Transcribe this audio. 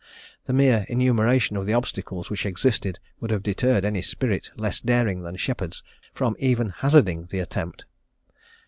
The mere enumeration of the obstacles which existed would have deterred any spirit less daring than Sheppard's from even hazarding the attempt.